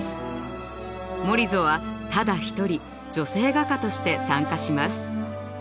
モリゾはただ一人女性画家として参加します。